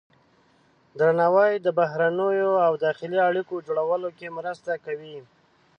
درناوی د بهرنیو او داخلي اړیکو جوړولو کې مرسته کوي.